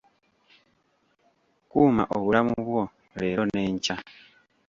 Kuma obulamu bwo leero n'enkya.